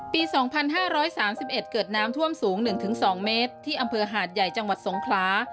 ปี๒๕๓๑เกิดน้ำท่วมสูง๑๒เมตรที่อำเภอหาดใหญ่จังหวัดสงคลา